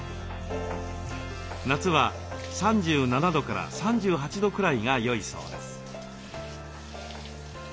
夏は３７度３８度くらいがよいそうです。